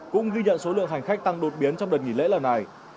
cũng ghi nhận số lượng hành khách tăng đột biến trong đợt nghỉ lễ lần này